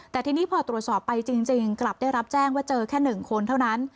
แต่ทีนี้พอตรวจสอบไปจริงกลับได้รับแจ้งว่าเจอแค่๑คนเท่านั้น